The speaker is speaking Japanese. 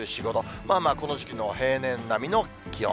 まあまあこの時期の平年並みの気温。